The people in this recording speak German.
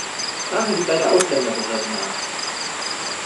Fragen Sie bei der Ausländerbehörde nach!